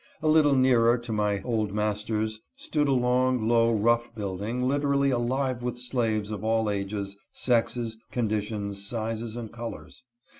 A. little nearer to my old master's stood a long, low, rough building literally alive with slaves of all ages, sexes, conditions, sizes, and colors.